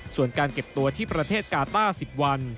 ส่วนการเก็บตัวที่ประเทศกาต้า๑๐วัน